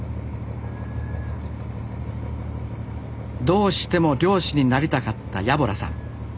どうしても漁師になりたかった家洞さん。